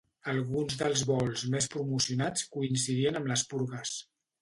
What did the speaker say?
Alguns dels vols més promocionats coincidien amb les purgues.